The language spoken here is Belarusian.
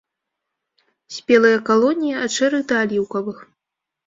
Спелыя калоніі ад шэрых да аліўкавых.